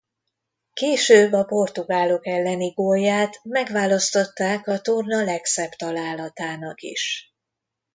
Később a portugálok elleni gólját megválasztották a torna legszebb találatának is.